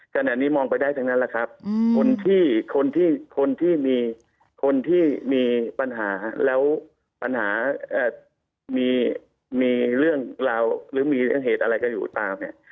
ขณะนี้มองไปได้จากนั้นแหละครับคนที่มีปัญหาแล้วมีเรื่องเหตุอะไรก็อยู่ตามเนี่ย